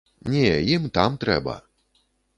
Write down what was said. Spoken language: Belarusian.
Не, ім там трэба!